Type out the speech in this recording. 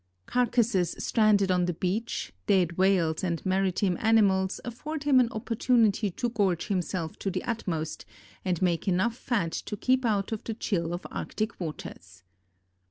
Carcasses stranded on the beach, dead whales and marine animals afford him an opportunity to gorge himself to the utmost and make enough fat to keep out the chill of arctic waters.